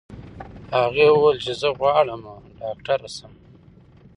هغې وویل چې زه غواړم ډاکټره شم.